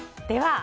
では。